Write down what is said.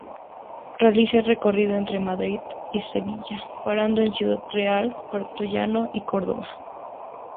Realiza el recorrido entre Madrid y Sevilla parando en Ciudad Real, Puertollano y Córdoba.